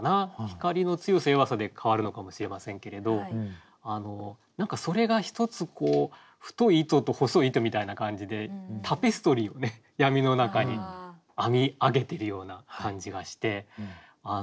光の強さ弱さで変わるのかもしれませんけれど何かそれが一つこう太い糸と細い糸みたいな感じでタペストリーをね闇の中に編み上げてるような感じがして。